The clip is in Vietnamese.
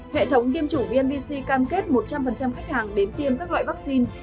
hệ thống tiêm chủng vnvc cam kết một trăm linh khách hàng đến tiêm các loại vaccine